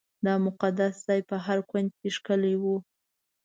دا مقدس ځای په هر کونج کې ښکلی و.